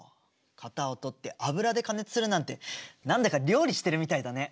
型を取って油で加熱するなんて何だか料理してるみたいだね。